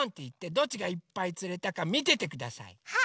どっちがいっぱいつれたかみててください。